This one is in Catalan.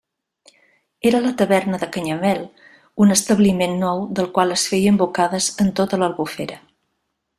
Era la taverna de Canyamel, un establiment nou del qual es feien bocades en tota l'Albufera.